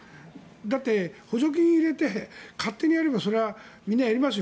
だって補助金を入れて勝手にやればそれはみんなやりますよ。